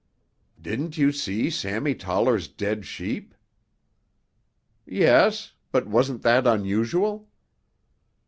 "Didn't you see Sammy Toller's dead sheep?" "Yes, but wasn't that unusual?"